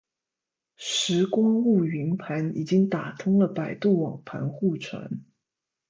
拾光坞云盘已经打通了百度网盘互传